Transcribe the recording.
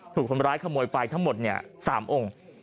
ถูกคนร้ายขโมยไปทั้งหมด๓องค์